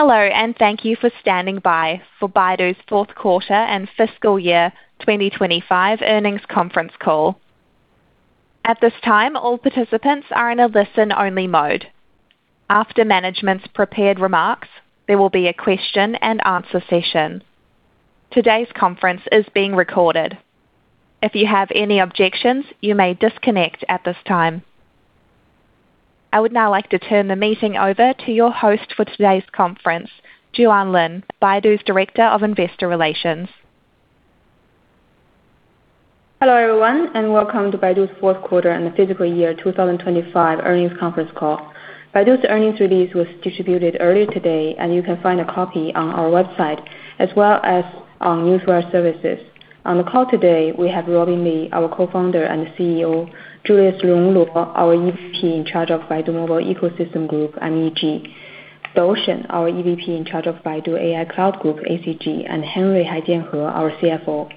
Hello, thank you for standing by for Baidu's Q4 and fiscal year 2025 Earnings Conference Call. At this time, all participants are in a listen-only mode. After management's prepared remarks, there will be a question-and-answer session. Today's conference is being recorded. If you have any objections, you may disconnect at this time. I would now like to turn the meeting over to your host for today's conference, Juan Lin, Baidu's Director of Investor Relations. Hello, everyone, welcome to Baidu's Q4 and fiscal year 2025 Earnings Conference Call. Baidu's earnings release was distributed earlier today, you can find a copy on our website as well as on news wire services. On the call today, we have Robin Li, our Co-founder and CEO, Julius Zhiyong Luo, our EVP in charge of Baidu Mobile Ecosystem Group, MEG, Dou Shen, our EVP in charge of Baidu AI Cloud Group, ACG, and Henry Hai Jianhe, our CFO.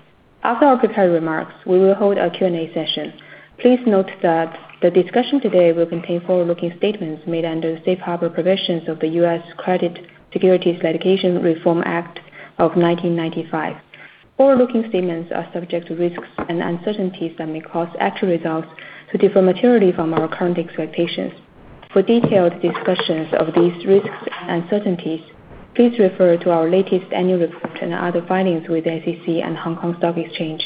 After our prepared remarks, we will hold a Q&A session. Please note that the discussion today will contain forward-looking statements made under the safe harbor provisions of the US Credit Securities Litigation Reform Act of 1995. Forward-looking statements are subject to risks and uncertainties that may cause actual results to differ materially from our current expectations. For detailed discussions of these risks and uncertainties, please refer to our latest annual report and other filings with the SEC and Hong Kong Stock Exchange.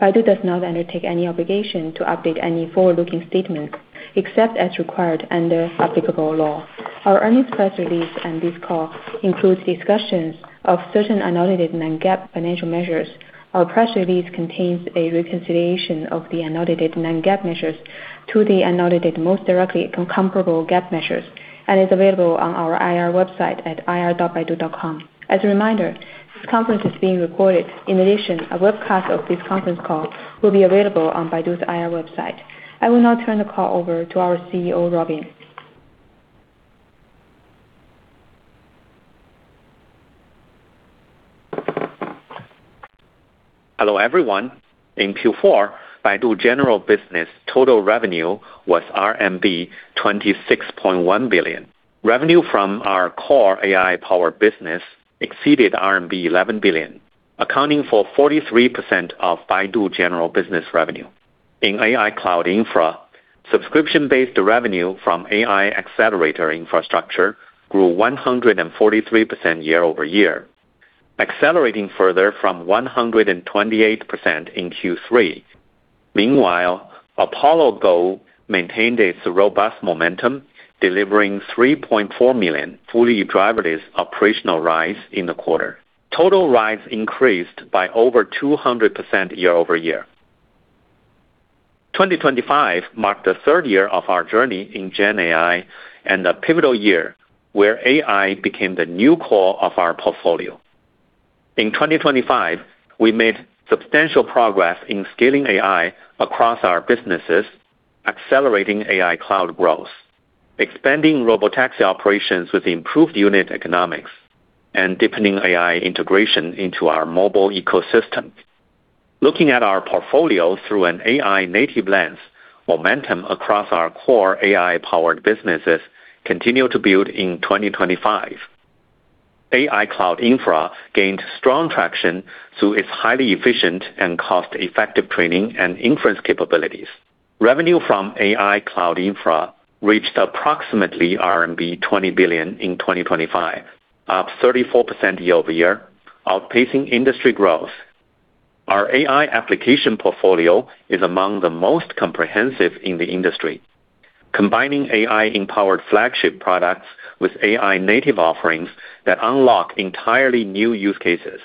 Baidu does not undertake any obligation to update any forward-looking statements, except as required under applicable law. Our earnings press release and this call includes discussions of certain non-GAAP financial measures. Our press release contains a reconciliation of the non-GAAP measures to the most directly comparable GAAP measures and is available on our IR website at ir.baidu.com. As a reminder, this conference is being recorded. In addition, a webcast of this Conference Call will be available on Baidu's IR website. I will now turn the call over to our CEO, Robin. Hello, everyone. In Q4, Baidu general business total revenue was RMB 26.1 billion. Revenue from our core AI power business exceeded RMB 11 billion, accounting for 43% of Baidu general business revenue. In AI Cloud infra, subscription-based revenue from AI accelerator infrastructure grew 143% year-over-year, accelerating further from 128% in Q3. Meanwhile, Apollo Go maintained its robust momentum, delivering 3.4 million fully driverless operational rides in the quarter. Total rides increased by over 200% year-over-year. 2025 marked the third year of our journey in Gen AI and a pivotal year where AI became the new core of our portfolio. In 2025, we made substantial progress in scaling AI across our businesses, accelerating AI Cloud growth, expanding robotaxi operations with improved unit economics, and deepening AI integration into our mobile ecosystem. Looking at our portfolio through an AI-native lens, momentum across our core AI-powered businesses continued to build in 2025. AI Cloud infra gained strong traction through its highly efficient and cost-effective training and inference capabilities. Revenue from AI Cloud infra reached approximately RMB 20 billion in 2025, up 34% year-over-year, outpacing industry growth. Our AI application portfolio is among the most comprehensive in the industry, combining AI-empowered flagship products with AI-native offerings that unlock entirely new use cases.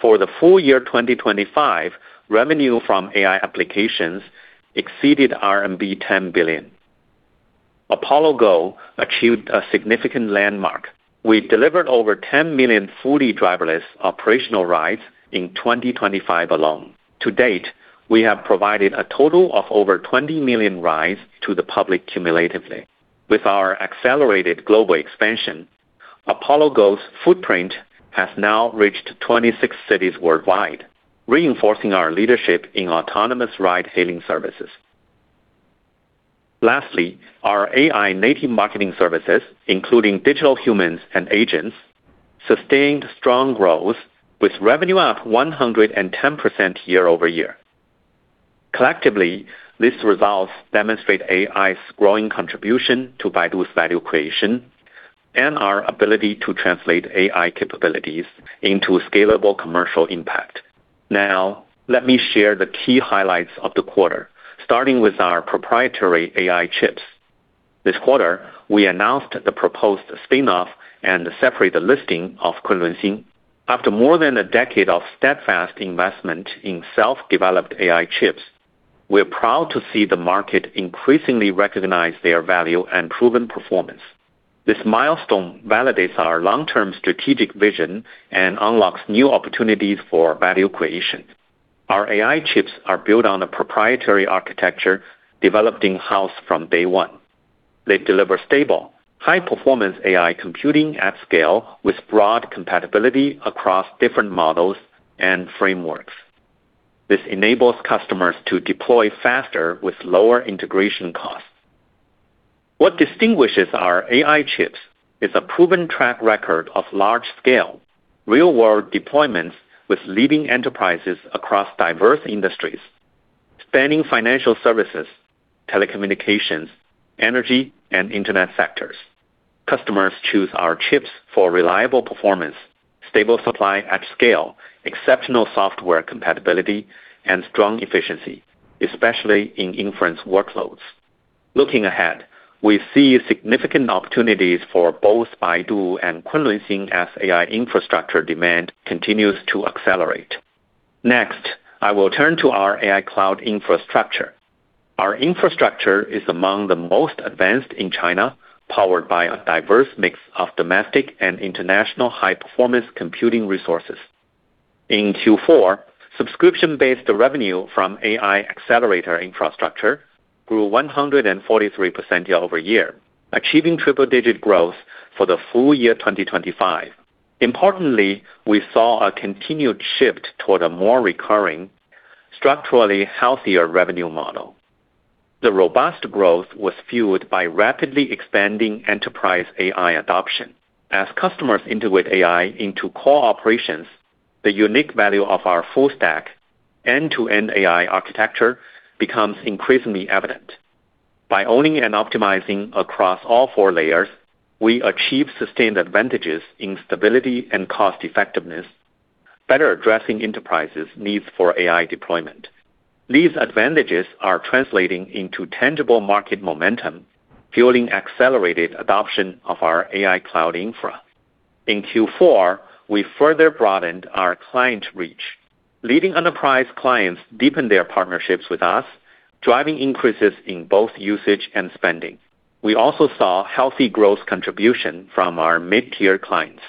For the full year 2025, revenue from AI applications exceeded RMB 10 billion. Apollo Go achieved a significant landmark. We delivered over 10 million fully driverless operational rides in 2025 alone. To date, we have provided a total of over 20 million rides to the public cumulatively. With our accelerated global expansion, Apollo Go's footprint has now reached 26 cities worldwide, reinforcing our leadership in autonomous ride-hailing services. Lastly, our AI native marketing services, including digital humans and agents, sustained strong growth, with revenue up 110% year-over-year. Collectively, these results demonstrate AI's growing contribution to Baidu's value creation and our ability to translate AI capabilities into scalable commercial impact. Let me share the key highlights of the quarter, starting with our proprietary AI chips. This quarter, we announced the proposed spin-off and separate listing of Kunlunxin. After more than a decade of steadfast investment in self-developed AI chips, we are proud to see the market increasingly recognize their value and proven performance. This milestone validates our long-term strategic vision and unlocks new opportunities for value creation. Our AI chips are built on a proprietary architecture developed in-house from day one. They deliver stable, high-performance AI computing at scale, with broad compatibility across different models and frameworks.... This enables customers to deploy faster with lower integration costs. What distinguishes our AI chips is a proven track record of large scale, real-world deployments with leading enterprises across diverse industries, spanning financial services, telecommunications, energy, and internet sectors. Customers choose our chips for reliable performance, stable supply at scale, exceptional software compatibility, and strong efficiency, especially in inference workloads. Looking ahead, we see significant opportunities for both Baidu and Kunlunxin as AI infrastructure demand continues to accelerate. Next, I will turn to our AI cloud infrastructure. Our infrastructure is among the most advanced in China, powered by a diverse mix of domestic and international high-performance computing resources. In Q4, subscription-based revenue from AI accelerator infrastructure grew 143% year-over-year, achieving triple-digit growth for the full year 2025. Importantly, we saw a continued shift toward a more recurring, structurally healthier revenue model. The robust growth was fueled by rapidly expanding enterprise AI adoption. As customers integrate AI into core operations, the unique value of our full stack, end-to-end AI architecture, becomes increasingly evident. By owning and optimizing across all four layers, we achieve sustained advantages in stability and cost effectiveness, better addressing enterprises' needs for AI deployment. These advantages are translating into tangible market momentum, fueling accelerated adoption of our AI cloud infra. In Q4, we further broadened our client reach. Leading enterprise clients deepened their partnerships with us, driving increases in both usage and spending. We also saw healthy growth contribution from our mid-tier clients.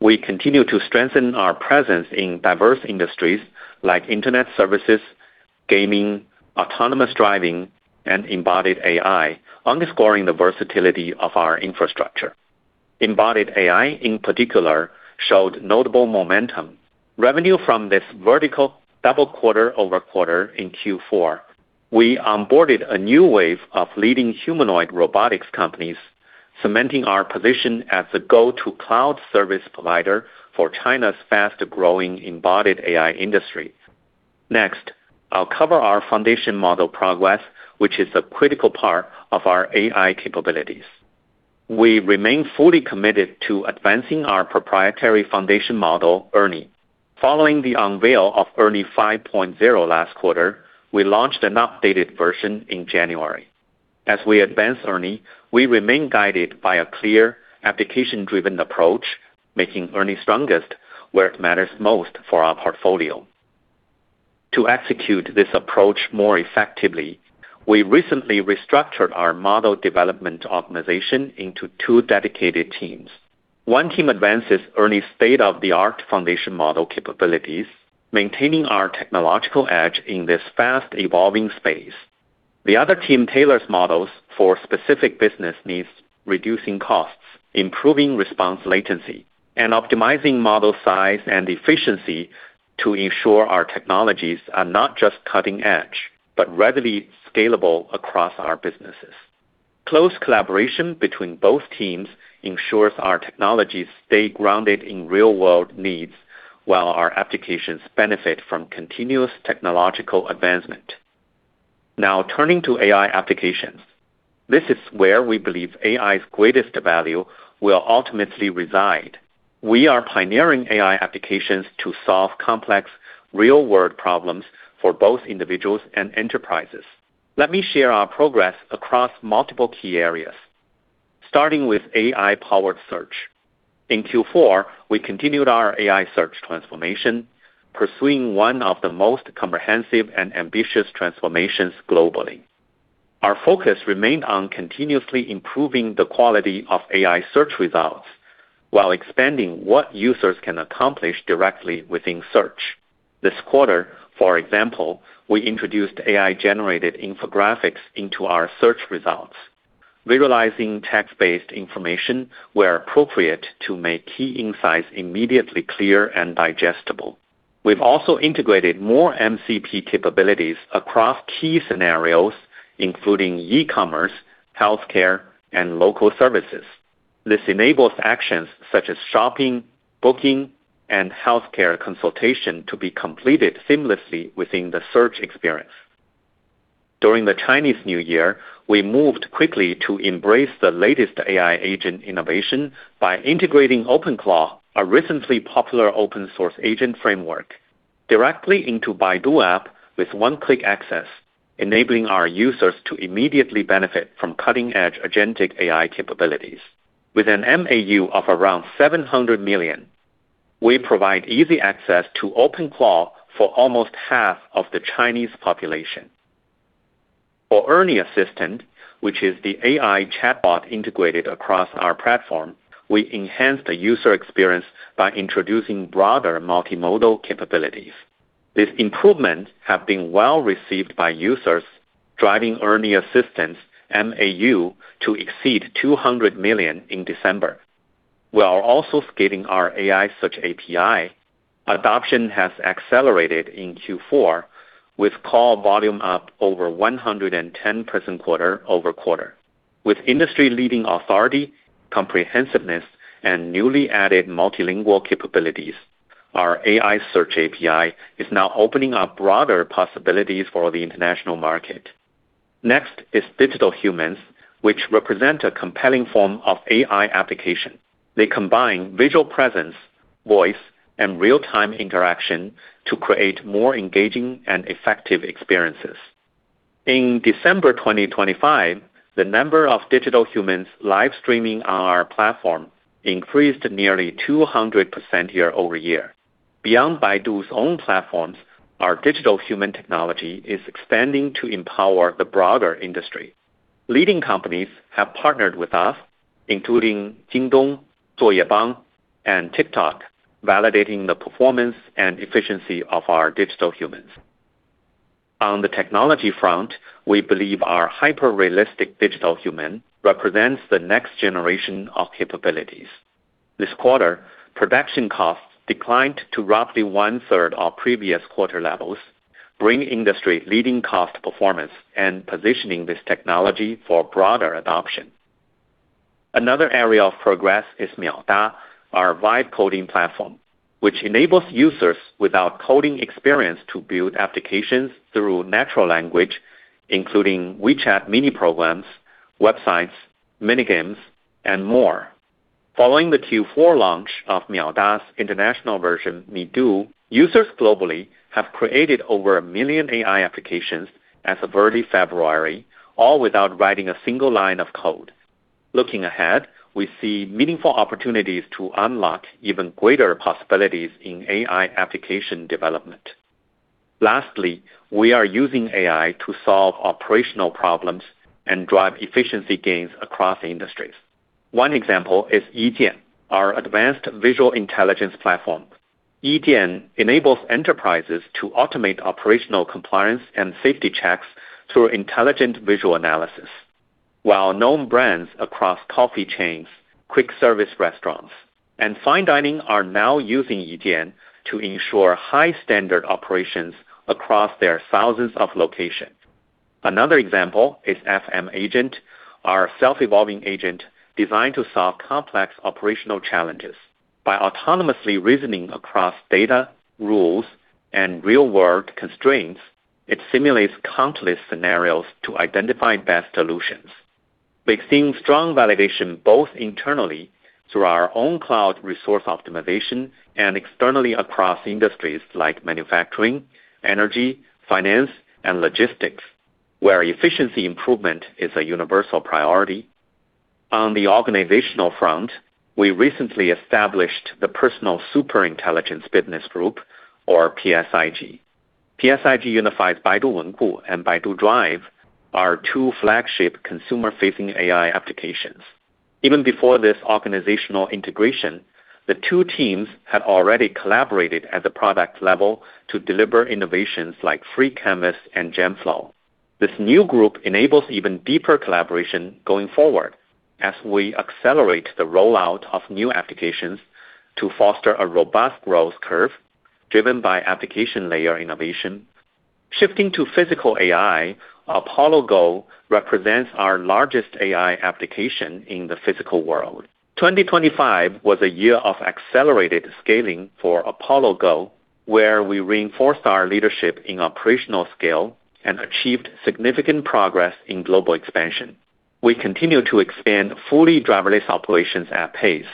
We continue to strengthen our presence in diverse industries like internet services, gaming, autonomous driving, and embodied AI, underscoring the versatility of our infrastructure. Embodied AI, in particular, showed notable momentum. Revenue from this vertical double quarter-over-quarter in Q4. We onboarded a new wave of leading humanoid robotics companies, cementing our position as the go-to cloud service provider for China's fast-growing embodied AI industry. Next, I'll cover our foundation model progress, which is a critical part of our AI capabilities. We remain fully committed to advancing our proprietary foundation model, ERNIE. Following the unveil of ERNIE 5.0 last quarter, we launched an updated version in January. As we advance ERNIE, we remain guided by a clear application-driven approach, making ERNIE strongest where it matters most for our portfolio. To execute this approach more effectively, we recently restructured our model development organization into two dedicated teams. One team advances ERNIE's state-of-the-art foundation model capabilities, maintaining our technological edge in this fast-evolving space. The other team tailors models for specific business needs, reducing costs, improving response latency, and optimizing model size and efficiency to ensure our technologies are not just cutting edge, but readily scalable across our businesses. Close collaboration between both teams ensures our technologies stay grounded in real-world needs, while our applications benefit from continuous technological advancement. Now, turning to AI applications. This is where we believe AI's greatest value will ultimately reside. We are pioneering AI applications to solve complex, real-world problems for both individuals and enterprises. Let me share our progress across multiple key areas. Starting with AI-powered search. In Q4, we continued our AI search transformation, pursuing one of the most comprehensive and ambitious transformations globally. Our focus remained on continuously improving the quality of AI search results while expanding what users can accomplish directly within search. This quarter, for example, we introduced AI-generated infographics into our search results, visualizing text-based information where appropriate to make key insights immediately clear and digestible. We've also integrated more MCP capabilities across key scenarios, including e-commerce, healthcare, and local services. This enables actions such as shopping, booking, and healthcare consultation to be completed seamlessly within the search experience. During the Chinese New Year, we moved quickly to embrace the latest AI agent innovation by integrating OpenClaw, a recently popular open source agent framework, directly into Baidu App with one-click access, enabling our users to immediately benefit from cutting-edge agentic AI capabilities. With an MAU of around 700 million, we provide easy access to OpenClaw for almost half of the Chinese population. For Ernie Assistant, which is the AI chatbot integrated across our platform, we enhanced the user experience by introducing broader multimodal capabilities. These improvements have been well received by users, driving Ernie Assistant's MAU to exceed 200 million in December. We are also scaling our AI search API. Adoption has accelerated in Q4, with call volume up over 110% quarter-over-quarter. With industry-leading authority, comprehensiveness, and newly added multilingual capabilities, our AI search API is now opening up broader possibilities for the international market. Next is digital humans, which represent a compelling form of AI application. They combine visual presence, voice, and real-time interaction to create more engaging and effective experiences. In December 2025, the number of digital humans live streaming on our platform increased nearly 200% year-over-year. Beyond Baidu's own platforms, our digital human technology is expanding to empower the broader industry. Leading companies have partnered with us, including Jingdong, Zuoyebang, and TikTok, validating the performance and efficiency of our digital humans. On the technology front, we believe our hyper-realistic digital human represents the next generation of capabilities. This quarter, production costs declined to roughly one-third of previous quarter levels, bringing industry-leading cost performance and positioning this technology for broader adoption. Another area of progress is MiaoDa, our wide coding platform, which enables users without coding experience to build applications through natural language, including WeChat mini programs, websites, mini games, and more. Following the Q4 launch of MiaoDa's international version, Midu, users globally have created over 1 million AI applications as of early February, all without writing a single line of code. Looking ahead, we see meaningful opportunities to unlock even greater possibilities in AI application development. Lastly, we are using AI to solve operational problems and drive efficiency gains across industries. One example is Yijian, our advanced visual intelligence platform. Yijian enables enterprises to automate operational compliance and safety checks through intelligent visual analysis, while known brands across coffee chains, quick service restaurants, and fine dining are now using Yijian to ensure high standard operations across their thousands of locations. Another example is FM Agent, our self-evolving agent designed to solve complex operational challenges. By autonomously reasoning across data, rules, and real-world constraints, it simulates countless scenarios to identify best solutions. We've seen strong validation, both internally, through our own cloud resource optimization, and externally across industries like manufacturing, energy, finance, and logistics, where efficiency improvement is a universal priority. On the organizational front, we recently established the Personal Super Intelligence Business Group, or PSIG. PSIG unifies Baidu Wenku and Baidu Drive, our two flagship consumer-facing AI applications. Even before this organizational integration, the two teams had already collaborated at the product level to deliver innovations like Free Canvas and GenFlow. This new group enables even deeper collaboration going forward as we accelerate the rollout of new applications to foster a robust growth curve driven by application layer innovation. Shifting to physical AI, Apollo Go represents our largest AI application in the physical world. 2025 was a year of accelerated scaling for Apollo Go, where we reinforced our leadership in operational scale and achieved significant progress in global expansion. We continue to expand fully driverless operations at pace,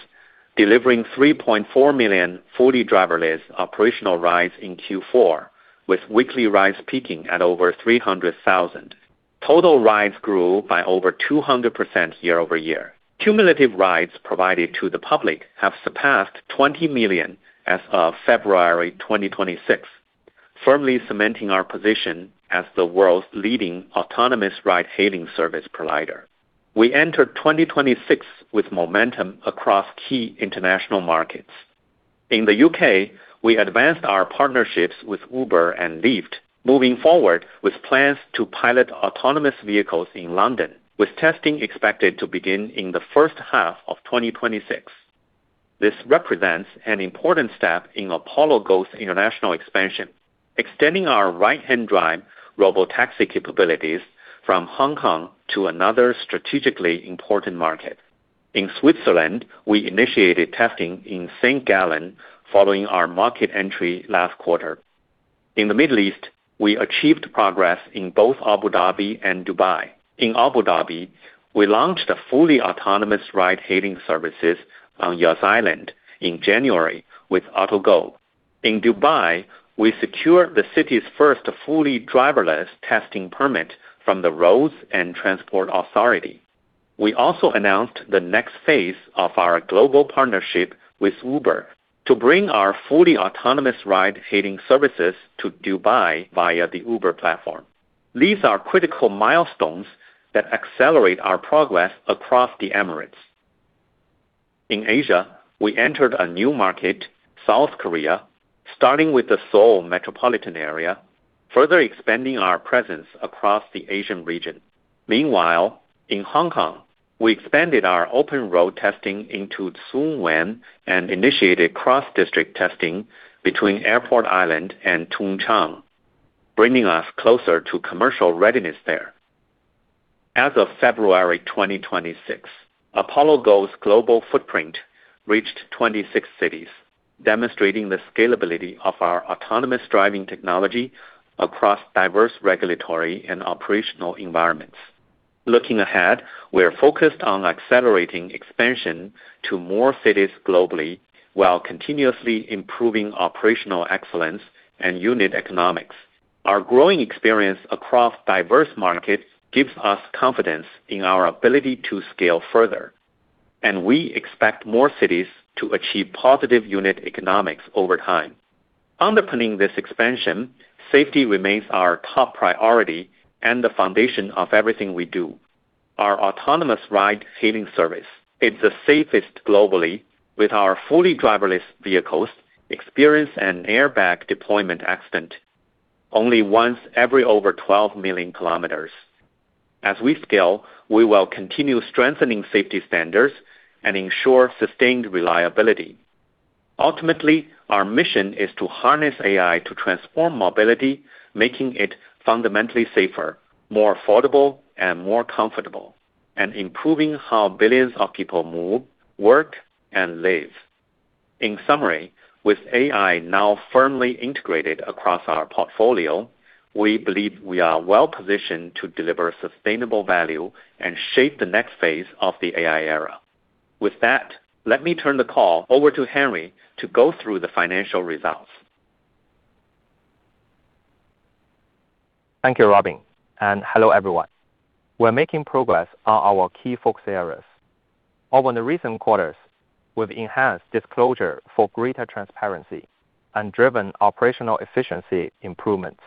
delivering 3.4 million fully driverless operational rides in Q4, with weekly rides peaking at over 300,000. Total rides grew by over 200% year-over-year. Cumulative rides provided to the public have surpassed 20 million as of February 2026, firmly cementing our position as the world's leading autonomous ride-hailing service provider. We entered 2026 with momentum across key international markets. In the U.K., we advanced our partnerships with Uber and Lyft, moving forward with plans to pilot autonomous vehicles in London, with testing expected to begin in the first half of 2026. This represents an important step in Apollo Go's international expansion, extending our right-hand drive robotaxi capabilities from Hong Kong to another strategically important market. In Switzerland, we initiated testing in St. Gallen following our market entry last quarter. In the Middle East, we achieved progress in both Abu Dhabi and Dubai. In Abu Dhabi, we launched a fully autonomous ride-hailing services on Yas Island in January with AutoGo. In Dubai, we secured the city's first fully driverless testing permit from the Roads and Transport Authority. We also announced the next phase of our global partnership with Uber to bring our fully autonomous ride-hailing services to Dubai via the Uber platform. These are critical milestones that accelerate our progress across the Emirates. In Asia, we entered a new market, South Korea... Starting with the Seoul Metropolitan area, further expanding our presence across the Asian region. Meanwhile, in Hong Kong, we expanded our open road testing into Tsuen Wan and initiated cross-district testing between Airport Island and Tung Chung, bringing us closer to commercial readiness there. As of February 2026, Apollo Go's global footprint reached 26 cities, demonstrating the scalability of our autonomous driving technology across diverse regulatory and operational environments. Looking ahead, we are focused on accelerating expansion to more cities globally, while continuously improving operational excellence and unit economics. Our growing experience across diverse markets gives us confidence in our ability to scale further, and we expect more cities to achieve positive unit economics over time. Underpinning this expansion, safety remains our top priority and the foundation of everything we do. Our autonomous ride-hailing service is the safest globally, with our fully driverless vehicles experience an airbag deployment accident only once every over 12 million km. As we scale, we will continue strengthening safety standards and ensure sustained reliability. Ultimately, our mission is to harness AI to transform mobility, making it fundamentally safer, more affordable, and more comfortable, and improving how billions of people move, work, and live. In summary, with AI now firmly integrated across our portfolio, we believe we are well-positioned to deliver sustainable value and shape the next phase of the AI era. With that, let me turn the call over to Henry to go through the financial results. Thank you, Robin. Hello, everyone. We're making progress on our key focus areas. Over the recent quarters, we've enhanced disclosure for greater transparency and driven operational efficiency improvements.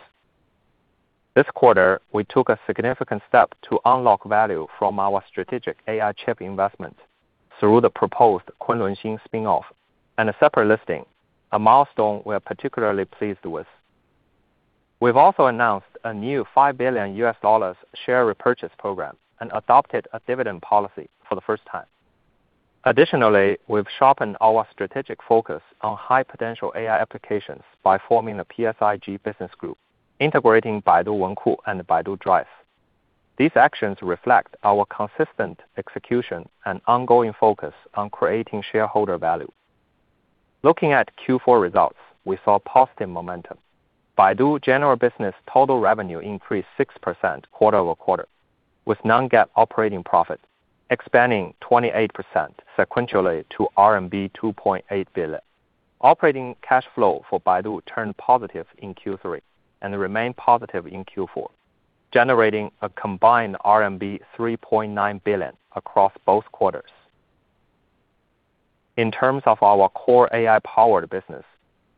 This quarter, we took a significant step to unlock value from our strategic AI chip investment through the proposed Kunlunxin spin-off and a separate listing, a milestone we are particularly pleased with. We've also announced a new $5 billion share repurchase program and adopted a dividend policy for the first time. Additionally, we've sharpened our strategic focus on high-potential AI applications by forming a PSIG business group, integrating Baidu Wenku and Baidu Drive. These actions reflect our consistent execution and ongoing focus on creating shareholder value. Looking at Q4 results, we saw positive momentum. Baidu general business total revenue increased 6% quarter-over-quarter, with non-GAAP operating profits expanding 28% sequentially to RMB 2.8 billion. Operating cash flow for Baidu turned positive in Q3 and remained positive in Q4, generating a combined RMB 3.9 billion across both quarters. In terms of our core AI-powered business,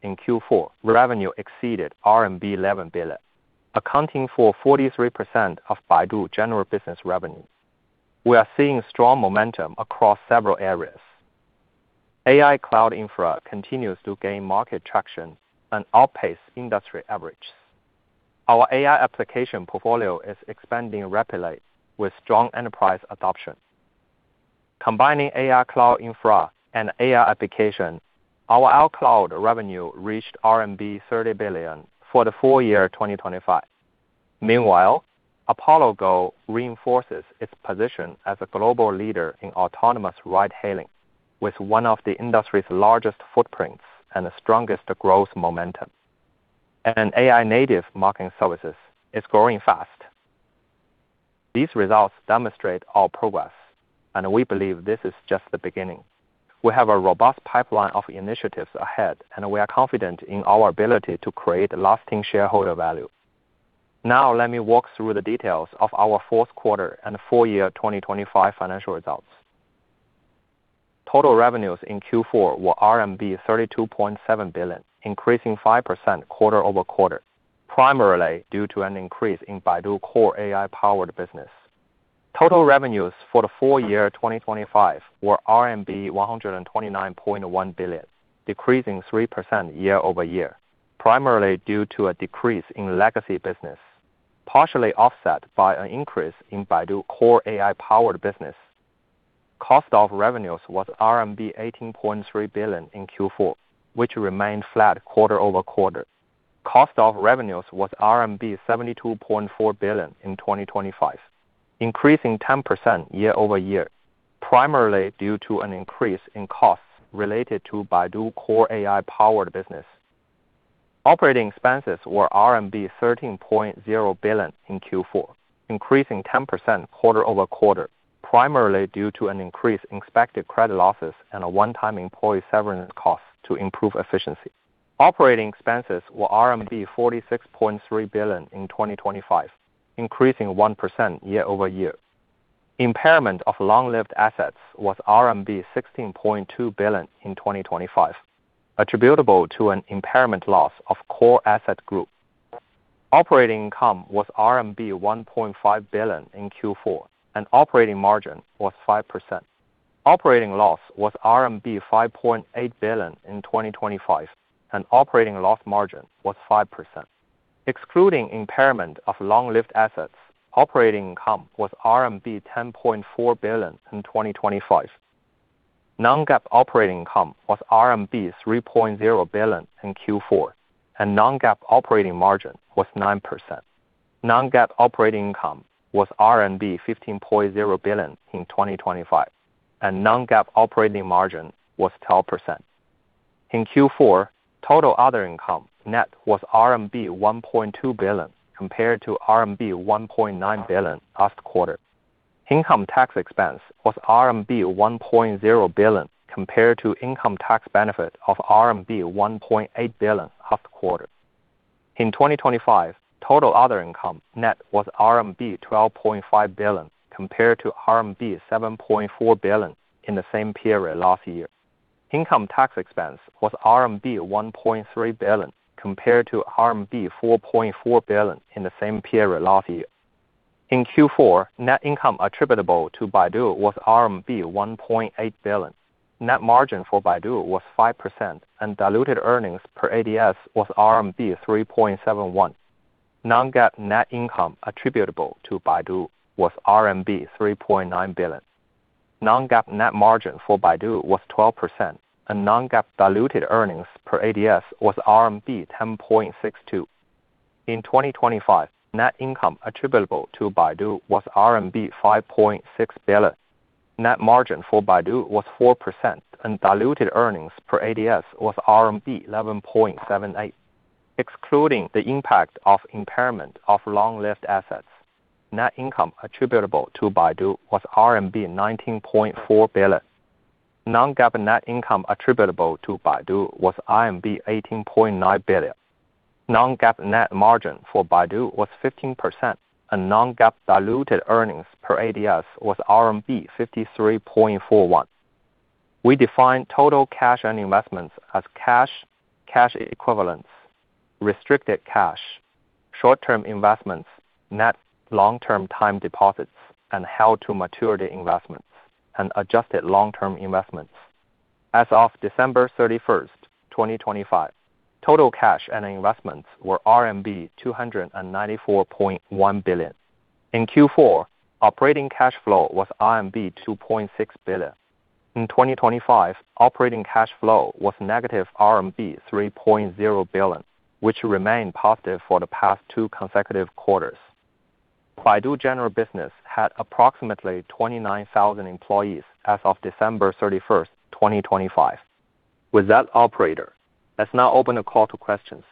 in Q4, revenue exceeded RMB 11 billion, accounting for 43% of Baidu general business revenue. We are seeing strong momentum across several areas. AI Cloud infra continues to gain market traction and outpace industry average. Our AI application portfolio is expanding rapidly with strong enterprise adoption. Combining AI Cloud infra and AI applications, our AI Cloud revenue reached RMB 30 billion for the full year 2025. Meanwhile, Apollo Go reinforces its position as a global leader in autonomous ride-hailing, with one of the industry's largest footprints and the strongest growth momentum. AI-native marketing services is growing fast. These results demonstrate our progress, and we believe this is just the beginning. We have a robust pipeline of initiatives ahead, and we are confident in our ability to create lasting shareholder value. Let me walk through the details of our Q4 and full year 2025 financial results. Total revenues in Q4 were RMB 32.7 billion, increasing 5% quarter-over-quarter, primarily due to an increase in Baidu core AI-powered business. Total revenues for the full year 2025 were RMB 129.1 billion, decreasing 3% year-over-year, primarily due to a decrease in legacy business, partially offset by an increase in Baidu core AI-powered business. Cost of revenues was RMB 18.3 billion in Q4, which remained flat quarter-over-quarter. Cost of revenues was RMB 72.4 billion in 2025, increasing 10% year-over-year, primarily due to an increase in costs related to Baidu core AI-powered business. Operating expenses were RMB 13.0 billion in Q4, increasing 10% quarter-over-quarter, primarily due to an increase in expected credit losses and a one-time employee severance cost to improve efficiency. Operating expenses were RMB 46.3 billion in 2025, increasing 1% year-over-year. Impairment of long-lived assets was RMB 16.2 billion in 2025, attributable to an impairment loss of core asset group. Operating income was RMB 1.5 billion in Q4. Operating margin was 5%. Operating loss was RMB 5.8 billion in 2025. Operating loss margin was 5%. Excluding impairment of long-lived assets, operating income was RMB 10.4 billion in 2025. Non-GAAP operating income was RMB 3.0 billion in Q4. Non-GAAP operating margin was 9%. Non-GAAP operating income was RMB 15.0 billion in 2025. Non-GAAP operating margin was 12%. In Q4, total other income net was RMB 1.2 billion compared to RMB 1.9 billion last quarter. Income tax expense was RMB 1.0 billion compared to income tax benefit of RMB 1.8 billion last quarter. In 2025, total other income net was RMB 12.5 billion compared to RMB 7.4 billion in the same period last year. Income tax expense was RMB 1.3 billion, compared to RMB 4.4 billion in the same period last year. In Q4, net income attributable to Baidu was RMB 1.8 billion. Net margin for Baidu was 5%, and diluted earnings per ADS was RMB 3.71. Non-GAAP net income attributable to Baidu was RMB 3.9 billion. Non-GAAP net margin for Baidu was 12%, and non-GAAP diluted earnings per ADS was RMB 10.62. In 2025, net income attributable to Baidu was RMB 5.6 billion. Net margin for Baidu was 4%, and diluted earnings per ADS was RMB 11.78. Excluding the impact of impairment of long-lived assets, net income attributable to Baidu was RMB 19.4 billion. Non-GAAP net income attributable to Baidu was RMB 18.9 billion. Non-GAAP net margin for Baidu was 15%, and non-GAAP diluted earnings per ADS was RMB 53.41. We define total cash and investments as cash equivalents, restricted cash, short-term investments, net long-term time deposits, and held to maturity investments, and adjusted long-term investments. As of December 31, 2025, total cash and investments were RMB 294.1 billion. In Q4, operating cash flow was RMB 2.6 billion. In 2025, operating cash flow was negative RMB 3.0 billion, which remained positive for the past two consecutive quarters. Baidu General Business had approximately 29,000 employees as of December 31, 2025. With that, operator, let's now open the call to questions.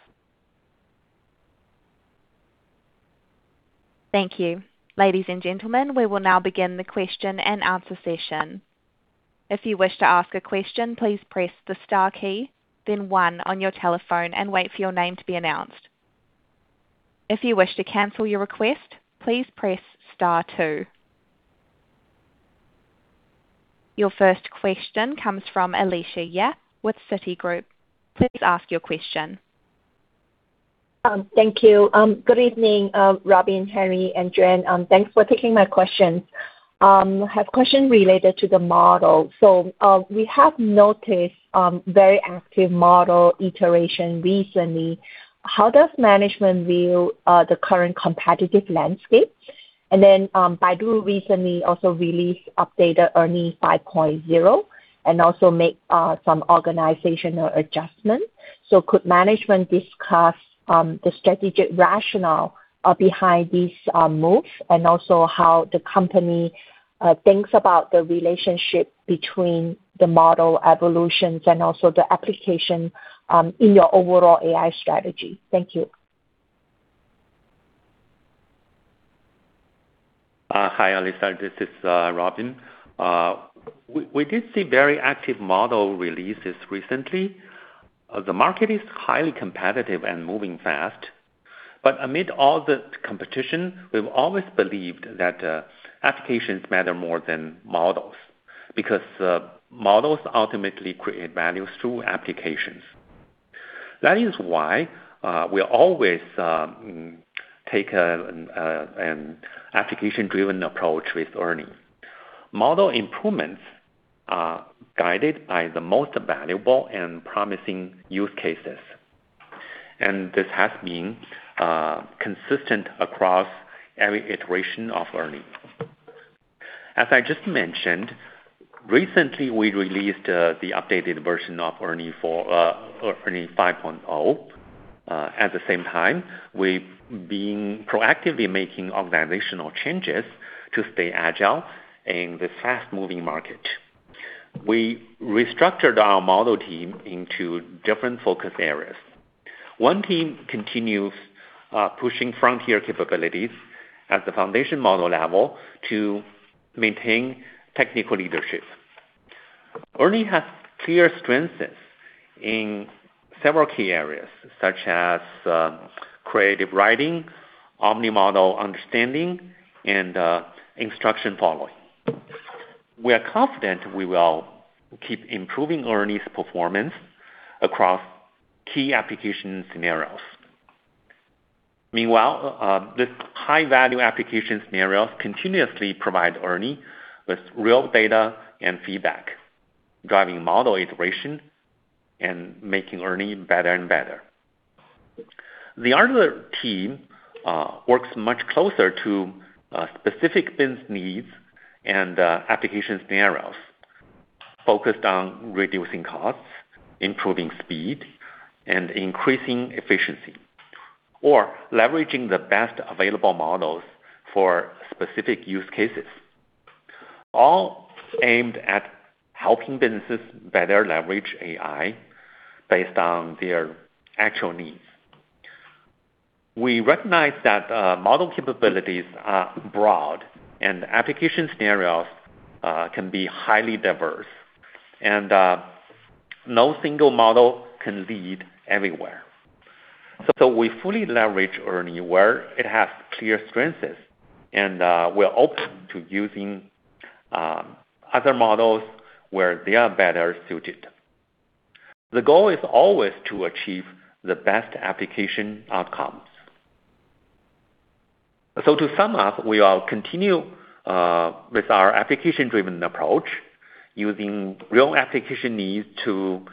Thank you. Ladies and gentlemen, we will now begin the question and answer session. If you wish to ask a question, please press the star key, then one on your telephone and wait for your name to be announced. If you wish to cancel your request, please press star two. Your first question comes from Alicia Yap with Citigroup. Please ask your question. Thank you. Good evening, Robin, Henry, and Juan. Thanks for taking my question. I have a question related to the model. We have noticed very active model iteration recently. How does management view the current competitive landscape? Baidu recently also released updated ERNIE 5.0, and also make some organizational adjustments. Could management discuss the strategic rationale behind these moves, and also how the company thinks about the relationship between the model evolutions and also the application in your overall AI strategy? Thank you. Hi, Alicia, this is Robin. We did see very active model releases recently. The market is highly competitive and moving fast. Amid all the competition, we've always believed that applications matter more than models, because models ultimately create values through applications. That is why we always take an application-driven approach with Ernie. Model improvements are guided by the most valuable and promising use cases, and this has been consistent across every iteration of Ernie. As I just mentioned, recently, we released the updated version of Ernie for Ernie 5.0. At the same time, we've been proactively making organizational changes to stay agile in this fast-moving market. We restructured our model team into different focus areas. One team continues pushing frontier capabilities at the foundation model level to maintain technical leadership. ERNIE has clear strengths in several key areas, such as creative writing, omni-model understanding, and instruction following.... We are confident we will keep improving ERNIE's performance across key application scenarios. Meanwhile, this high-value application scenarios continuously provide ERNIE with real data and feedback, driving model iteration and making ERNIE better and better. The other team works much closer to specific business needs and application scenarios, focused on reducing costs, improving speed, and increasing efficiency, or leveraging the best available models for specific use cases, all aimed at helping businesses better leverage AI based on their actual needs. We recognize that model capabilities are broad, and application scenarios can be highly diverse, and no single model can lead everywhere. We fully leverage ERNIE, where it has clear strengths, and we're open to using other models where they are better suited. The goal is always to achieve the best application outcomes. to sum up, we are continue with our application-driven approach, using real application needs to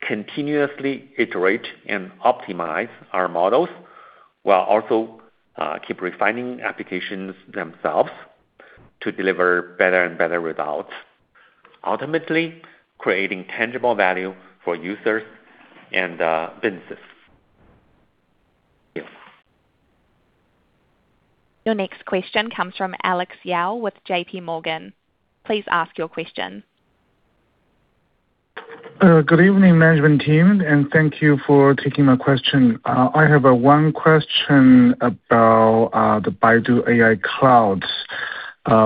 continuously iterate and optimize our models, while also keep refining applications themselves to deliver better and better results, ultimately creating tangible value for users and businesses. Thank you. Your next question comes from Alex Yao with JP Morgan. Please ask your question. Good evening, management team, and thank you for taking my question. I have one question about the Baidu AI Cloud.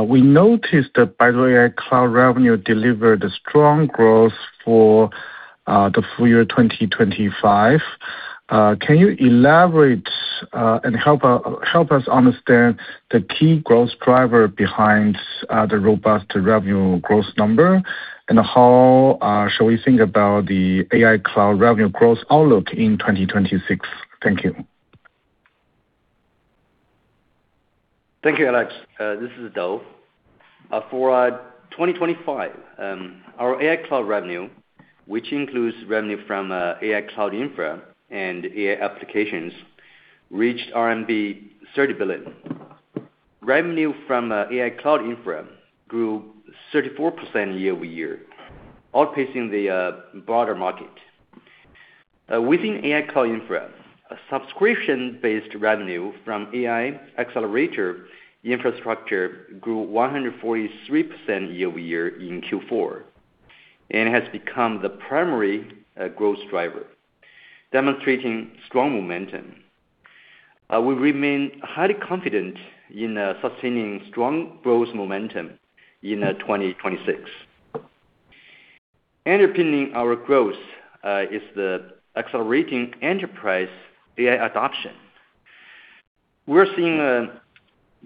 We noticed that Baidu AI Cloud revenue delivered a strong growth for the full year 2025. Can you elaborate and help us understand the key growth driver behind the robust revenue growth number? How should we think about the AI Cloud revenue growth outlook in 2026? Thank you. Thank you, Alex. This is Dou. For 2025, our AI cloud revenue, which includes revenue from AI cloud infra and AI applications, reached RMB 30 billion. Revenue from AI cloud infra grew 34% year-over-year, outpacing the broader market. Within AI cloud infra, a subscription-based revenue from AI accelerator infrastructure grew 143% year-over-year in Q4, and has become the primary growth driver, demonstrating strong momentum. We remain highly confident in sustaining strong growth momentum in 2026. Underpinning our growth is the accelerating enterprise AI adoption. We're seeing a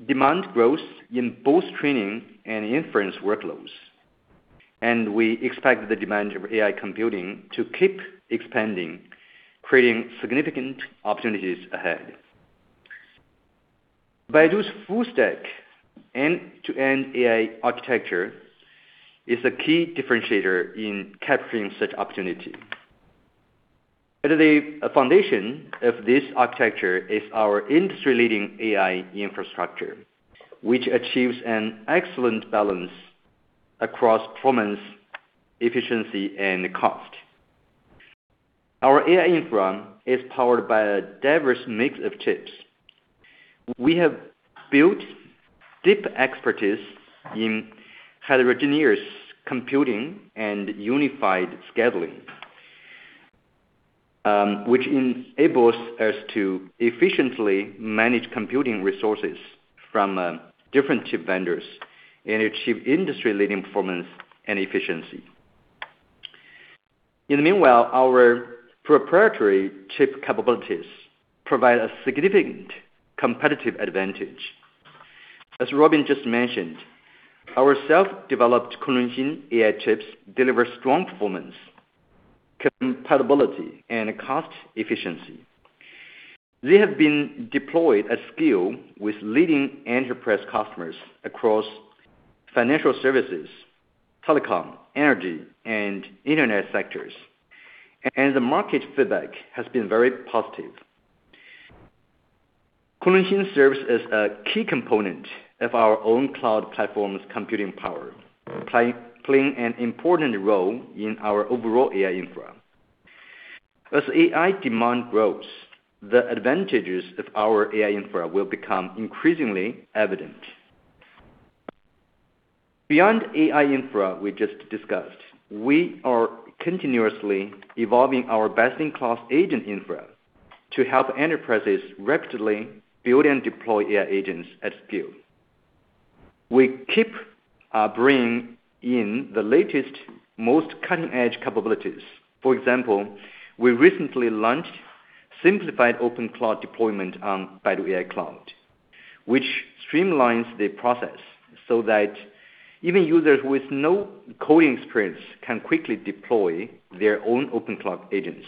demand growth in both training and inference workloads, and we expect the demand of AI computing to keep expanding, creating significant opportunities ahead. Baidu's full-stack end-to-end AI architecture is a key differentiator in capturing such opportunity. At the foundation of this architecture is our industry-leading AI infrastructure, which achieves an excellent balance across performance, efficiency, and cost. Our AI infra is powered by a diverse mix of chips. We have built deep expertise in heterogeneous computing and unified scheduling, which enables us to efficiently manage computing resources from different chip vendors and achieve industry-leading performance and efficiency. Our proprietary chip capabilities provide a significant competitive advantage. As Robin just mentioned, our self-developed Kunlun chip AI chips deliver strong performance, compatibility, and cost efficiency. They have been deployed at scale with leading enterprise customers across financial services, telecom, energy, and internet sectors, and the market feedback has been very positive. Kunlun serves as a key component of our own cloud platform's computing power, playing an important role in our overall AI infra. As AI demand grows, the advantages of our AI infra will become increasingly evident. Beyond AI infra we just discussed, we are continuously evolving our best-in-class agent infra to help enterprises rapidly build and deploy AI agents at scale. We keep bringing in the latest, most cutting-edge capabilities. For example, we recently launched simplified open cloud deployment on Baidu AI Cloud, which streamlines the process so that even users with no coding experience can quickly deploy their own open cloud agents.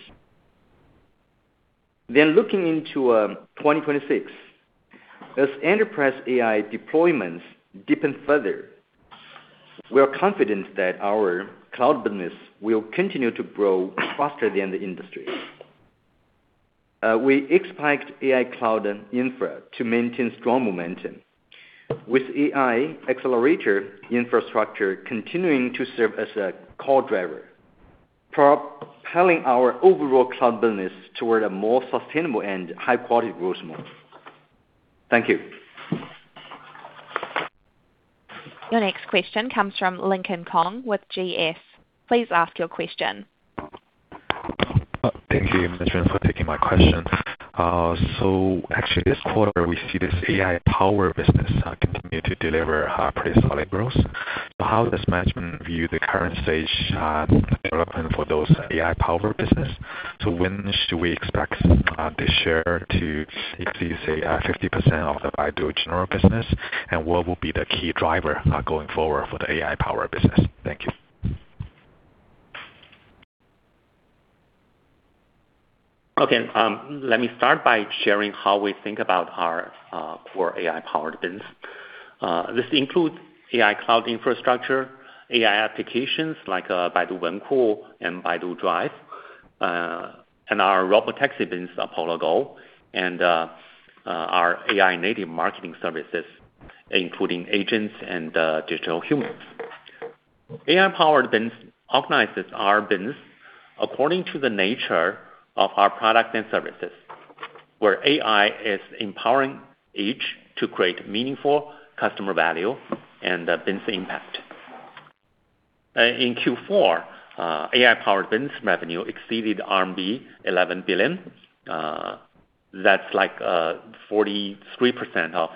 Looking into 2026, as enterprise AI deployments deepen further, we are confident that our cloud business will continue to grow faster than the industry. We expect AI cloud and infra to maintain strong momentum, with AI accelerator infrastructure continuing to serve as a core driver, propelling our overall cloud business toward a more sustainable and high-quality growth mode. Thank you. Your next question comes from Lincoln Kong with GS. Please ask your question. Thank you, management, for taking my questions. Actually, this quarter, we see this AI-powered business, continue to deliver, pretty solid growth. How does management view the current stage, development for those AI-powered business? When should we expect, the share to exceed, say, 50% of the Baidu general business? What will be the key driver, going forward for the AI-powered business? Thank you. Okay, let me start by sharing how we think about our core AI-powered business. This includes AI cloud infrastructure, AI applications like Baidu Wenku and Baidu Drive, and our robotaxi business, Apollo Go, and our AI-native marketing services, including agents and digital humans. AI-powered business organizes our business according to the nature of our products and services, where AI is empowering each to create meaningful customer value and business impact. In Q4, AI-powered business revenue exceeded RMB 11 billion. That's like 43% of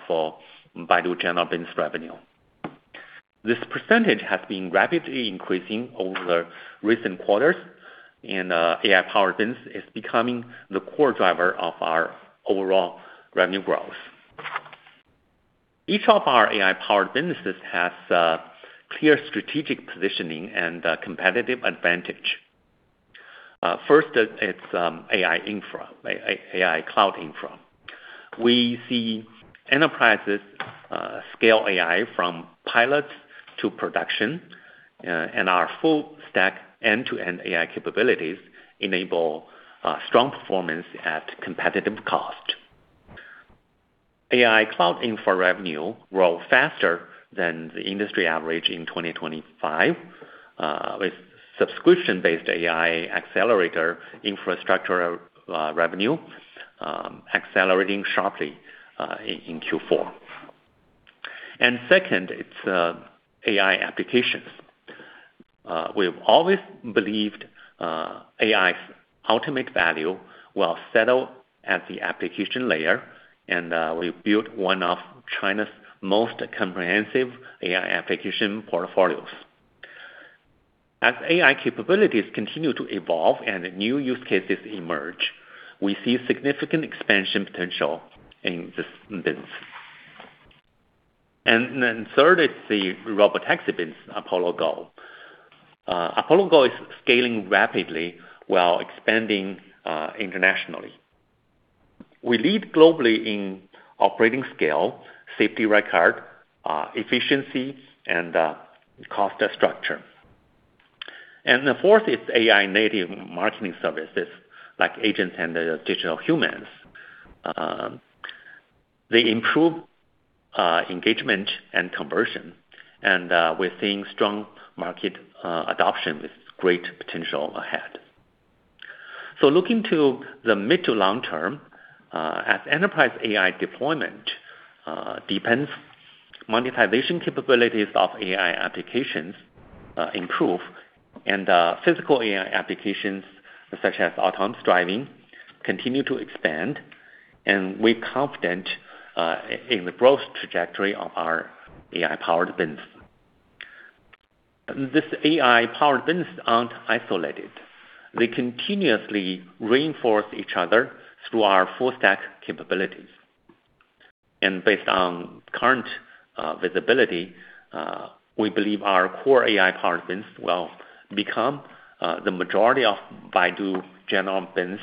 Baidu general business revenue. This percentage has been rapidly increasing over the recent quarters. AI-powered business is becoming the core driver of our overall revenue growth. Each of our AI-powered businesses has a clear strategic positioning and a competitive advantage. First, it's AI infra, AI cloud infra. We see enterprises scale AI from pilot to production, and our full stack end-to-end AI capabilities enable strong performance at competitive cost. AI Cloud infra revenue grew faster than the industry average in 2025, with subscription-based AI accelerator infrastructure revenue accelerating sharply in Q4. Second, it's AI applications. We've always believed AI's ultimate value will settle at the application layer, and we built one of China's most comprehensive AI application portfolios. As AI capabilities continue to evolve and new use cases emerge, we see significant expansion potential in this business. Third, it's the robotaxi business, Apollo Go. Apollo Go is scaling rapidly while expanding internationally. We lead globally in operating scale, safety record, efficiency, and cost structure. The fourth is AI-native marketing services like agents and digital humans. They improve engagement and conversion, we're seeing strong market adoption with great potential ahead. Looking to the mid to long term, as enterprise AI deployment depends, monetization capabilities of AI applications improve, physical AI applications, such as autonomous driving, continue to expand, and we're confident in the growth trajectory of our AI-powered business. These AI-powered business aren't isolated. They continuously reinforce each other through our full stack capabilities. Based on current visibility, we believe our core AI-powered business will become the majority of Baidu general business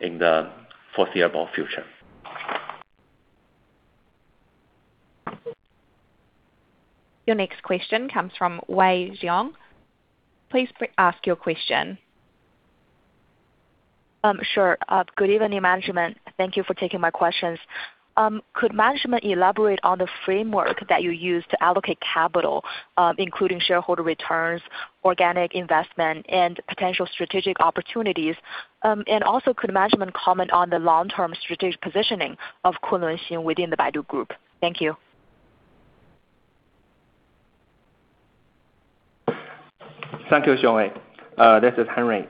in the foreseeable future. Your next question comes from Wei Xiong. Please ask your question. Sure. Good evening, management. Thank you for taking my questions. Could management elaborate on the framework that you use to allocate capital, including shareholder returns, organic investment, and potential strategic opportunities? Also, could management comment on the long-term strategic positioning of Kunlunxin within the Baidu Group? Thank you. Thank you, Wei Xiong. This is Henry.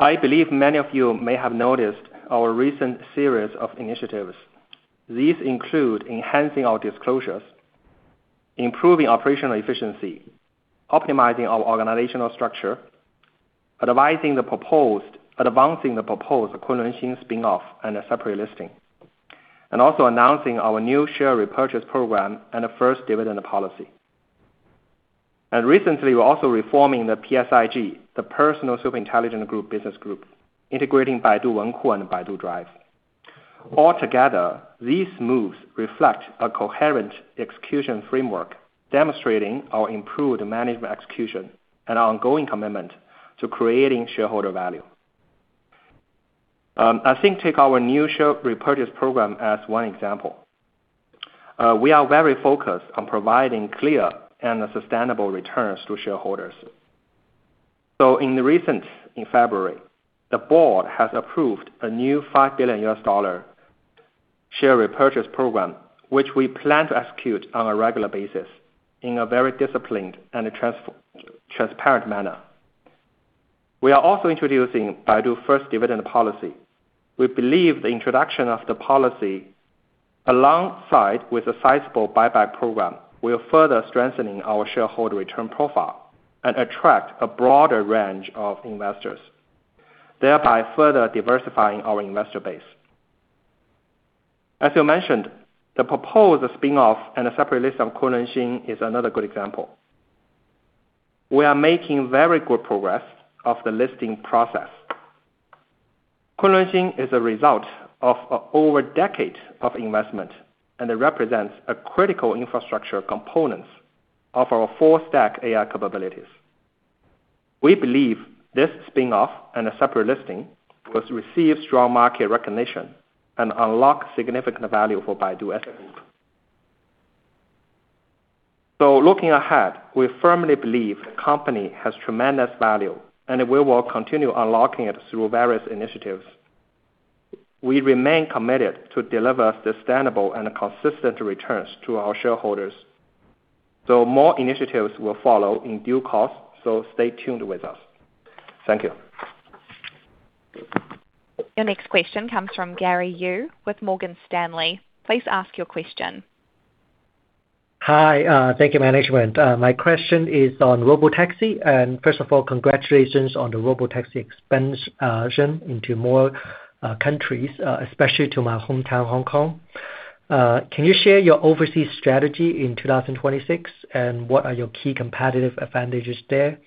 I believe many of you may have noticed our recent series of initiatives. These include enhancing our disclosures, improving operational efficiency, optimizing our organizational structure, advancing the proposed Kunlunxin spin-off and a separate listing, and also announcing our new share repurchase program and a first dividend policy. Recently, we're also reforming the PSIG, the Personal Super Intelligence Business Group business group, integrating Baidu Wenku and Baidu Drive. Altogether, these moves reflect a coherent execution framework, demonstrating our improved management execution and our ongoing commitment to creating shareholder value. I think take our new share repurchase program as one example. We are very focused on providing clear and sustainable returns to shareholders. In February, the board has approved a new $5 billion share repurchase program, which we plan to execute on a regular basis in a very disciplined and transparent manner. We are also introducing Baidu first dividend policy. We believe the introduction of the policy, alongside with a sizable buyback program, will further strengthening our shareholder return profile and attract a broader range of investors, thereby further diversifying our investor base. As you mentioned, the proposed spin-off and a separate list of Kunlunxin is another good example. We are making very good progress of the listing process. Kunlunxin is a result of over a decade of investment and it represents a critical infrastructure components of our full stack AI capabilities. We believe this spin-off and a separate listing will receive strong market recognition and unlock significant value for Baidu as a group. Looking ahead, we firmly believe the company has tremendous value, and we will continue unlocking it through various initiatives. We remain committed to deliver sustainable and consistent returns to our shareholders. More initiatives will follow in due course, so stay tuned with us. Thank you. Your next question comes from Gary Yu with Morgan Stanley. Please ask your question. Hi, thank you, management. My question is on robotaxi. First of all, congratulations on the robotaxi expansion into more countries, especially to my hometown, Hong Kong. Can you share your overseas strategy in 2026? What are your key competitive advantages there?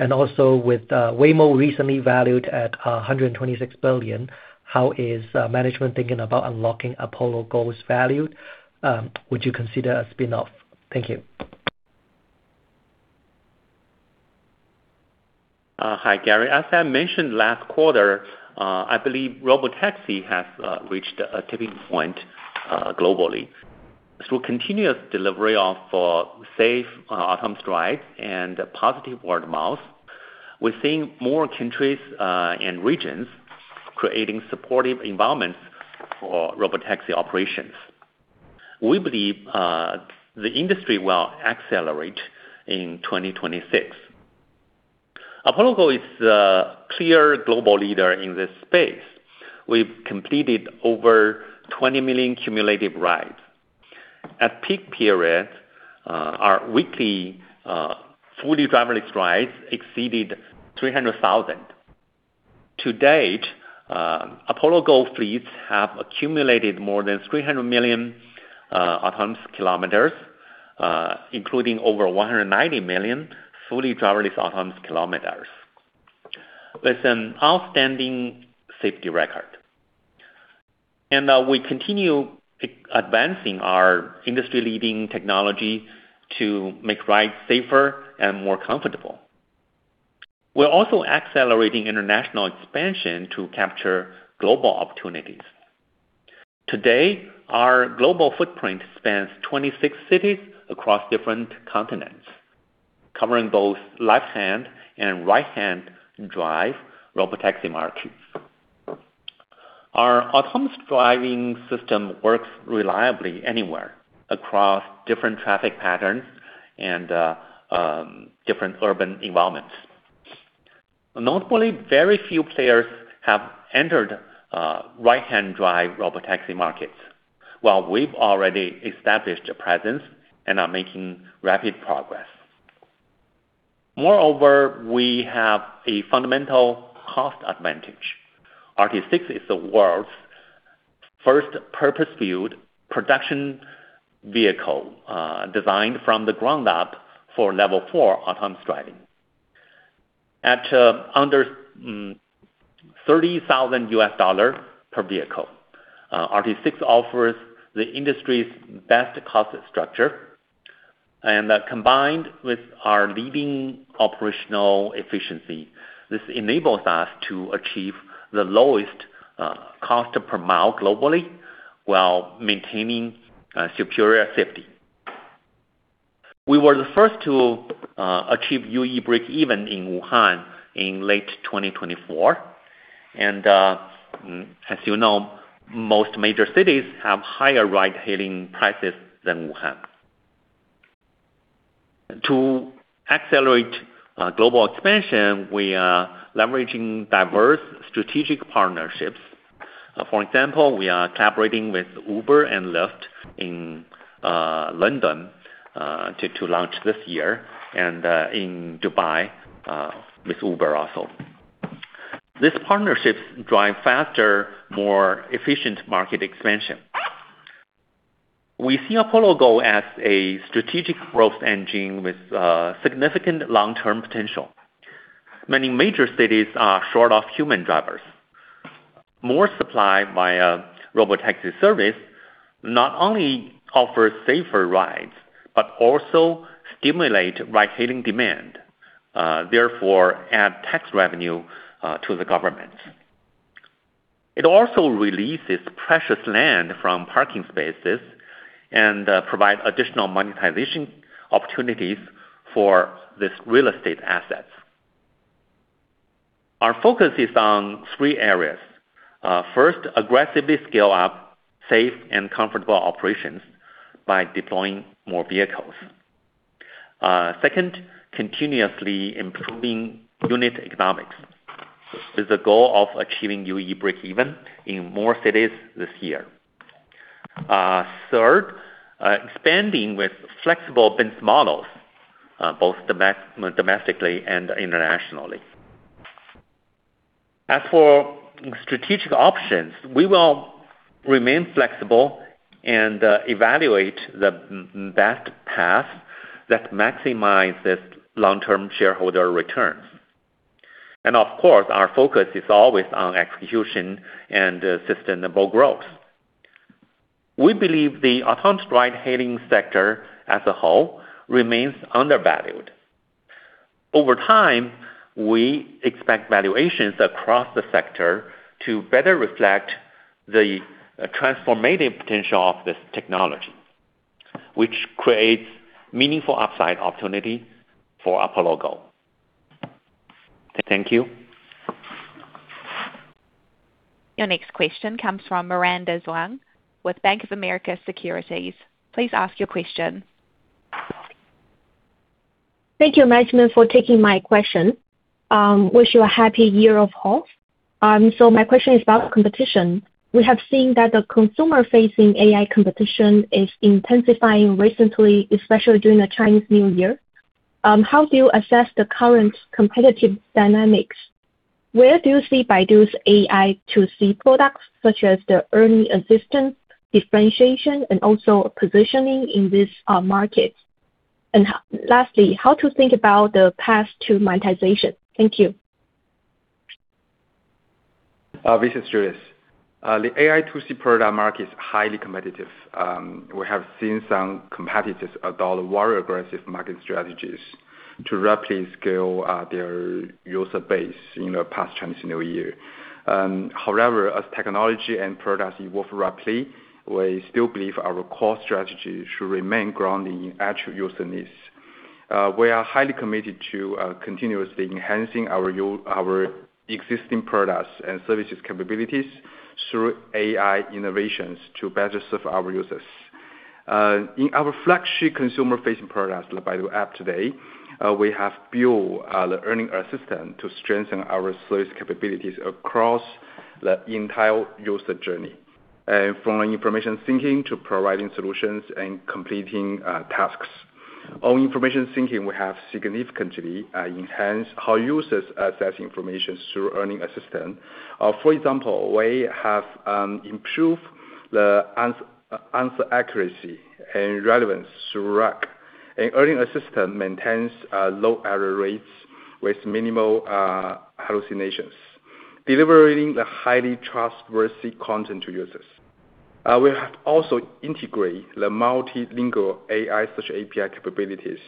Also with Waymo recently valued at $126 billion, how is management thinking about unlocking Apollo Go's value? Would you consider a spin-off? Thank you. Hi, Gary. As I mentioned last quarter, I believe robotaxi has reached a tipping point globally. Through continuous delivery of safe autonomous drive and positive word of mouth, we're seeing more countries and regions creating supportive environments for robotaxi operations. We believe the industry will accelerate in 2026. Apollo Go is the clear global leader in this space. We've completed over 20 million cumulative rides. At peak periods, our weekly fully driverless rides exceeded 300,000. To date, Apollo Go fleets have accumulated more than 300 million autonomous km, including over 190 million fully driverless autonomous km, with an outstanding safety record. We continue advancing our industry-leading technology to make rides safer and more comfortable. We're also accelerating international expansion to capture global opportunities. Today, our global footprint spans 26 cities across different continents, covering both left-hand and right-hand drive robotaxi markets. Our autonomous driving system works reliably anywhere across different traffic patterns and different urban environments. Notably, very few players have entered right-hand drive robotaxi markets, while we've already established a presence and are making rapid progress. We have a fundamental cost advantage. RT6 is the world's first purpose-built production vehicle designed from the ground up for Level 4 autonomous driving. At under $30,000 per vehicle, RT6 offers the industry's best cost structure. Combined with our leading operational efficiency, this enables us to achieve the lowest cost per mile globally, while maintaining superior safety. We were the first to achieve UE breakeven in Wuhan in late 2024. As you know, most major cities have higher ride-hailing prices than Wuhan. ... To accelerate global expansion, we are leveraging diverse strategic partnerships. For example, we are collaborating with Uber and Lyft in London to launch this year, and in Dubai with Uber also. These partnerships drive faster, more efficient market expansion. We see Apollo Go as a strategic growth engine with significant long-term potential. Many major cities are short of human drivers. More supply via robotaxi service not only offers safer rides, but also stimulate ride-hailing demand, therefore, add tax revenue to the government. It also releases precious land from parking spaces and provide additional monetization opportunities for this real estate assets. Our focus is on 3 areas. First, aggressively scale up safe and comfortable operations by deploying more vehicles. Second, continuously improving unit economics, with the goal of achieving UE breakeven in more cities this year. third, expanding with flexible business models, both domestically and internationally. As for strategic options, we will remain flexible and evaluate the best path that maximize this long-term shareholder returns. Of course, our focus is always on execution and sustainable growth. We believe the autonomous ride-hailing sector as a whole remains undervalued. Over time, we expect valuations across the sector to better reflect the transformative potential of this technology, which creates meaningful upside opportunity for Apollo Go. Thank you. Your next question comes from Miranda Zhuang with Bank of America Securities. Please ask your question. Thank you, management, for taking my question. Wish you a happy Year of the Horse. My question is about competition. We have seen that the consumer-facing AI competition is intensifying recently, especially during the Chinese New Year. How do you assess the current competitive dynamics? Where do you see Baidu's AI-to-C products, such as the Ernie Assistant, differentiation, and also positioning in this market? Lastly, how to think about the path to monetization? Thank you. This is Julius. The AI-to-C product market is highly competitive. We have seen some competitors adopt more aggressive market strategies to rapidly scale their user base in the past Chinese New Year. However, as technology and products evolve rapidly, we still believe our core strategy should remain grounded in actual user needs. We are highly committed to continuously enhancing our existing products and services capabilities through AI innovations to better serve our users. In our flagship consumer-facing product, the Baidu App today, we have built the Ernie Assistant to strengthen our service capabilities across the entire user journey, from information syncing to providing solutions and completing tasks. On information syncing, we have significantly enhanced how users access information through Ernie Assistant. For example, we have improved the answer accuracy and relevance through RAG. Ernie Assistant maintains low error rates with minimal hallucinations, delivering the highly trustworthy content to users. We have also integrated the multilingual AI such API capabilities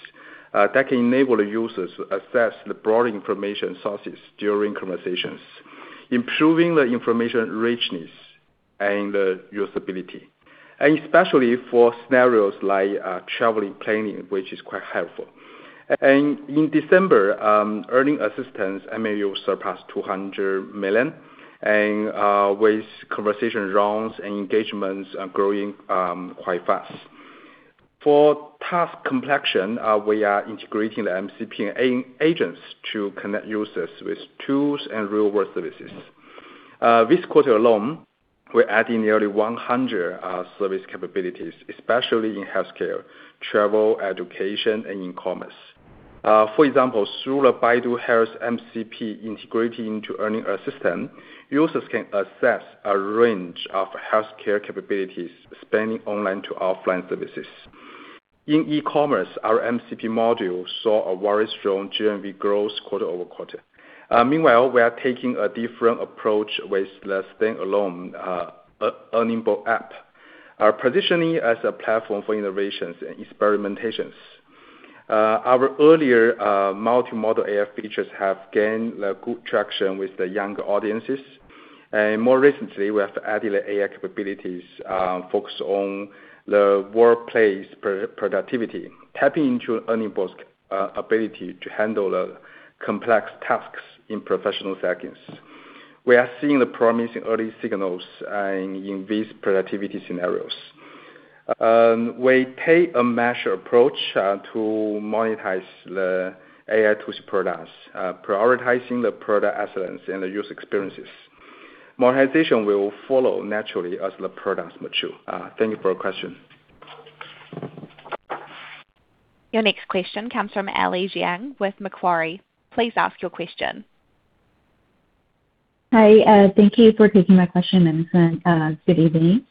that can enable the users to access the broad information sources during conversations, improving the information richness and the usability, and especially for scenarios like traveling, planning, which is quite helpful. In December, Ernie Assistant MAU surpassed 200 million, with conversation rounds and engagements growing quite fast. For task completion, we are integrating the MCP agents to connect users with tools and real-world services. This quarter alone, we're adding nearly 100 service capabilities, especially in healthcare, travel, education, and in commerce. For example, through the Baidu Health MCP integrating into Ernie Assistant, users can access a range of healthcare capabilities, spanning online to offline services. In e-commerce, our MCP module saw a very strong GMV growth quarter-over-quarter. Meanwhile, we are taking a different approach with the standalone Ernie Bot app, positioning as a platform for innovations and experimentations. Our earlier multimodal AI features have gained a good traction with the younger audiences, and more recently, we have added the AI capabilities focused on the workplace productivity, tapping into Ernie Bot's ability to handle the complex tasks in professional settings. We are seeing the promising early signals in these productivity scenarios. We take a measured approach to monetize the AI tools products, prioritizing the product excellence and the user experiences. Monetization will follow naturally as the products mature. Thank you for your question. Your next question comes from Ellie Jiang with Macquarie. Please ask your question. Hi, thank you for taking my question, and good evening.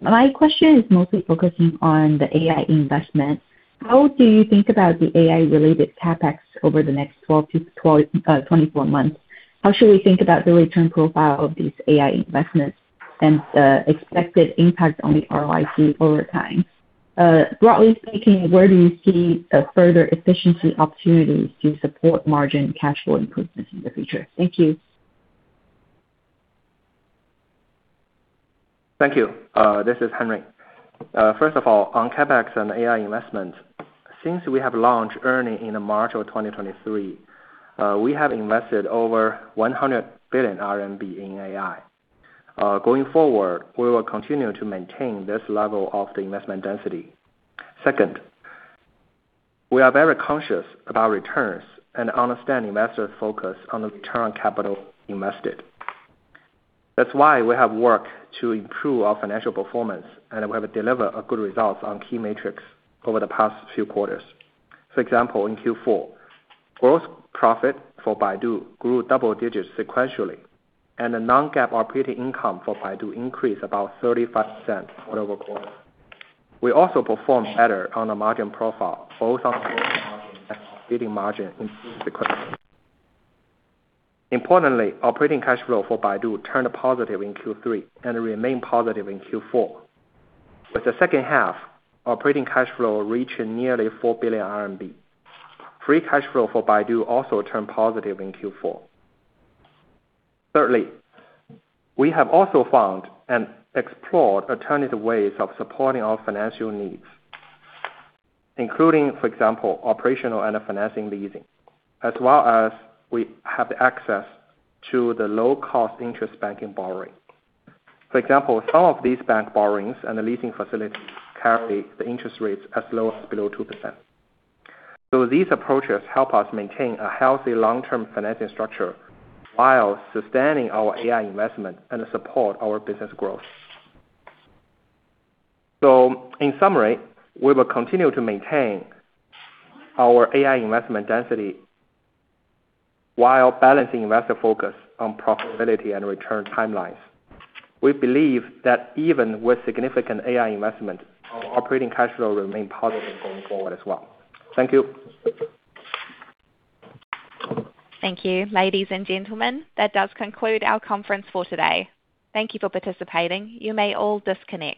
My question is mostly focusing on the AI investment. How do you think about the AI-related CapEx over the next 12 to 12, 24 months? How should we think about the return profile of these AI investments and expected impact on the ROIC over time? Broadly speaking, where do you see further efficiency opportunities to support margin cash flow improvements in the future? Thank you. Thank you. This is Henry. First of all, on CapEx and AI investment, since we have launched ERNIE in March 2023, we have invested over 100 billion RMB in AI. Going forward, we will continue to maintain this level of the investment density. We are very conscious about returns and understanding investor focus on the return on capital invested. That's why we have worked to improve our financial performance, and we have delivered a good results on key metrics over the past few quarters. For example, in Q4, gross profit for Baidu grew double digits sequentially, and the non-GAAP operating income for Baidu increased about 35% quarter-over-quarter. We also performed better on a margin profile, both on margin and operating margin in sequentially. Operating cash flow for Baidu turned positive in Q3 and remained positive in Q4. With the second half, operating cash flow reached nearly 4 billion RMB. Free cash flow for Baidu also turned positive in Q4. Thirdly, we have also found and explored alternative ways of supporting our financial needs, including, for example, operational and financing leasing, as well as we have the access to the low-cost interest banking borrowing. For example, some of these bank borrowings and the leasing facilities carry the interest rates as low as below 2%. These approaches help us maintain a healthy long-term financing structure while sustaining our AI investment and support our business growth. In summary, we will continue to maintain our AI investment density while balancing investor focus on profitability and return timelines. We believe that even with significant AI investment, our operating cash flow will remain positive going forward as well. Thank you. Thank you. Ladies and gentlemen, that does conclude our conference for today. Thank you for participating. You may all disconnect.